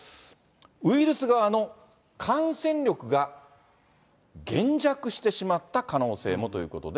ウイルス側の感染力が減弱してしまった可能性もということで。